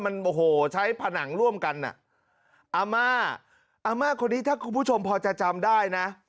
มันโอ้โหใช้ผนังร่วมกันอ่ะอาม่าอาม่าคนนี้ถ้าคุณผู้ชมพอจะจำได้นะ